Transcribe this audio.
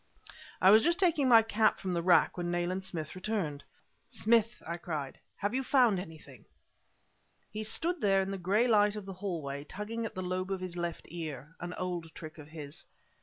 I was just taking my cap from the rack when Nayland Smith returned. "Smith!" I cried "have you found anything?" He stood there in the gray light of the hallway, tugging at the lobe of his left ear, an old trick of his.